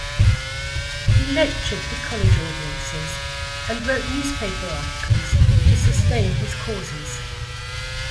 He lectured to college audiences and wrote newspaper articles to sustain his causes.